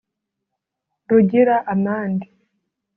Rugira Amandin